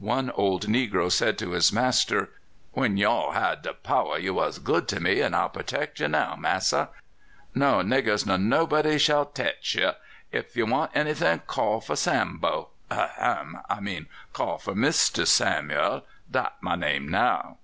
One old negro said to his master: "When you all had de power you was good to me, and I'll protect you now, massa. No niggers nor nobody shall tech you. If you want anything, call for Sambo. Ahem! I mean call for Mr. Samuel: dat my name now."